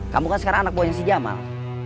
kamu kan sekarang anak buahnya si jamal